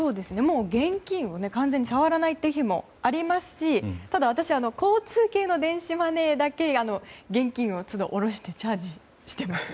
現金を触らないという日もありますしただ、私交通系の電子マネーだけ現金を都度おろしてチャージしています。